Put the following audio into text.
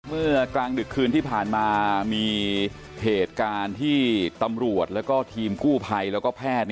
เมื่อกลางดึกคืนที่ผ่านมามีเหตุการณ์ที่ตำรวจแล้วก็ทีมกู้ภัยแล้วก็แพทย์